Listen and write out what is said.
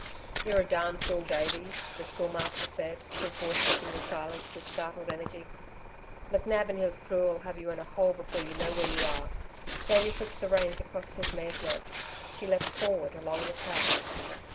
"You're a darned fool, Davey," the Schoolmaster said, his voice ripping the silence with startled energy. "McNab and his crew'll have you in a hole before you know where you are." Davey flicked the reins across his mare's neck. She leapt forward along the track.